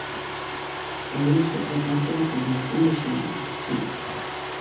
E iso é parte da convención do xénero, si.